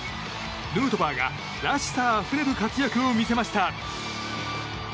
ヌートバーが、らしさあふれる活躍を見せました。